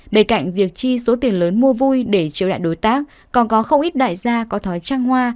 đề cạnh việc chi số tiền lớn mua vui để triều đại đối tác còn có không ít đại gia có thói trăng hoa